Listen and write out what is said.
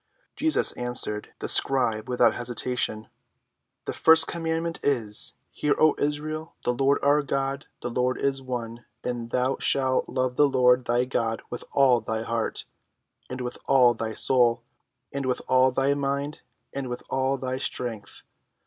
Jesus answered the scribe without hesitation: "The first commandment is, Hear, O Israel; The Lord our God, the Lord is one; and thou shalt love the Lord thy God with all thy heart, and with all thy soul, and with all thy mind, and with all thy strength.